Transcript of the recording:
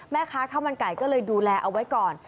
แม่ค้าข้าวมันไก่ก็เลยดูแลเอาไว้ก่อน